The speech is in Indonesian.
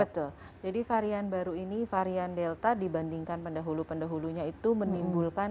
betul jadi varian baru ini varian delta dibandingkan pendahulu pendahulunya itu menimbulkan